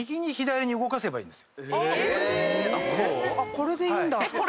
これでいいんだ。